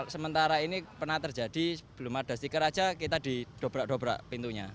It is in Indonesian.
sementara ini pernah terjadi belum ada stiker aja kita didobrak dobrak pintunya